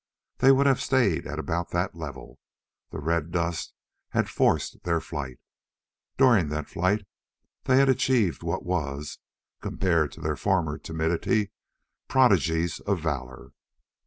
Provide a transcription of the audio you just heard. They would have stayed at about that level. The red dust had forced their flight. During that flight they had achieved what was compared to their former timidity prodigies of valor.